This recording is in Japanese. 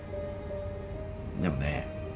でもね